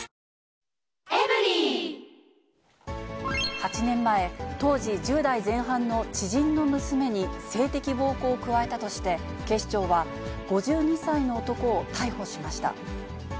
８年前、当時１０代前半の知人の娘に性的暴行を加えたとして、警視庁は、５２歳の男を逮捕しました。